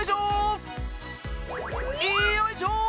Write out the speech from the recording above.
いよいしょ！